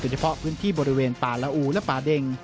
เฉพาะพื้นที่บริเวณป่าละอูและป่าเด็ง